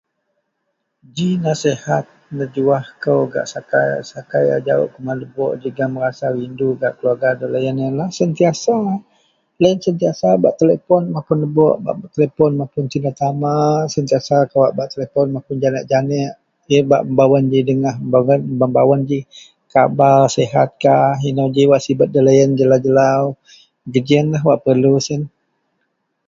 Ji nasihat nejuwah kou gak sakai-sakai a jawok kuman lebok jegum rasa rindu gak keluarga doloyen iyenlah sentiasa loyen sentiasa bak telepon mapun lebok sentiasa bak telepon tina tama sentiasa bak telepon janek-janek bak mebawen ji dengah mebawen kabar sihat kah eno ji wak sibet doloyen jelau-jelau geji iyen lah wak perlu.